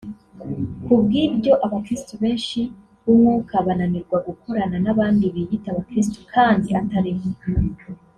Kubw’ibyo abakiristu benshi b’umwuka bananirwa gukorana n’abandi biyita abakiristo kandi atari bo